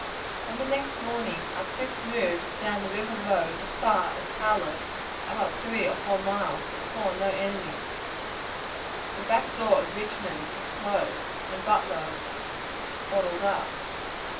On the next morning, our troops moved down the river road as far as Howlett's, about three or four miles, but saw no enemy. The "back door" of Richmond was closed, and Butler "bottled up."